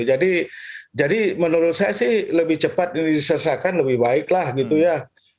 jadi menurut saya sih lebih cepat diselesaikan lebih baiklah gitu ya